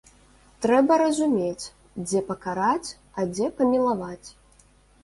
Трэба разумець, дзе пакараць, а дзе памілаваць.